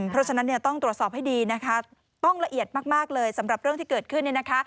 เพราะฉะนั้นต้องตรวจสอบให้ดีต้องละเอียดมากเลยสำหรับเรื่องที่เกิดขึ้น